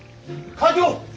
課長！